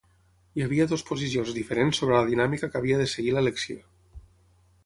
Hi ha via dues posicions diferents sobre la dinàmica que havia de seguir l'elecció.